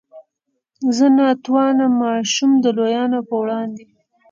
زه نا توانه ماشوم د لویانو په وړاندې.